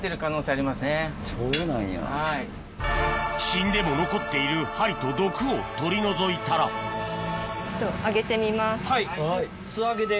死んでも残っている針と毒を取り除いたら素揚げで。